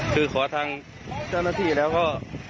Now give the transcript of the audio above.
คือขอทางจานนาทีแล้วก็